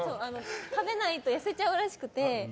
食べないと痩せちゃうらしくて。